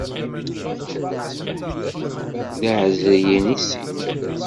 D iεeẓriyen i sin.